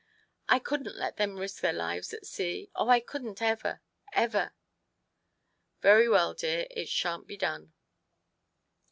I couldn't let them risk their lives at sea. Oh, I couldn't ever, ever !"" Very well, dear, it shan't be done."